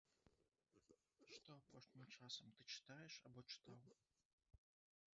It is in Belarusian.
Што апошнім часам ты чытаеш або чытаў?